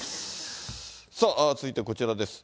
さあ続いてこちらです。